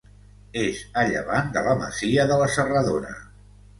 És a llevant de la masia de la Serradora.